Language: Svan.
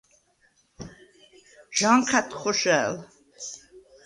ჟანჴა̈დხ ხოშა̄̈ლ.